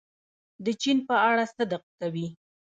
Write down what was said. د چین په اړه صدق کوي.